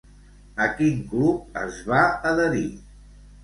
A quin club es va adherir?